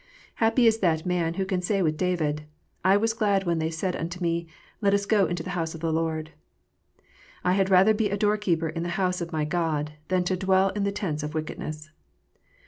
Happy is that man who can say with David, " I was glad when they said unto me, Let us go into the house of the Lord ;"" I had rather be a door keeper in the house of my God, than to dwell in the tents of wickedness."